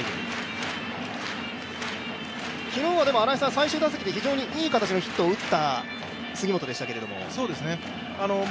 昨日は最終打席で非常にいい形のヒットを打った杉本でしたけれども。